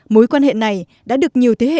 mối quan hệ này đã được nhiều thế hệ